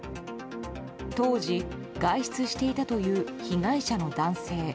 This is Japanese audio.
当時、外出していたという被害者の男性。